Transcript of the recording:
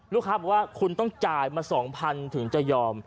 ลูกค้าบอกว่าคุณต้องจ่ายมา๒๐๐๐ถึงจะยอม